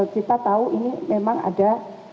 kita tahu ini memang ada